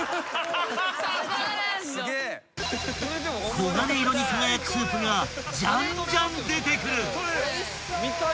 ［黄金色に輝くスープがじゃんじゃん出てくる］